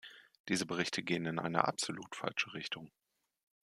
Diese Berichte gehen in eine absolut falsche Richtung.